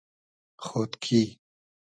خۉدکی